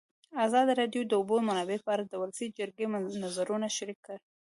ازادي راډیو د د اوبو منابع په اړه د ولسي جرګې نظرونه شریک کړي.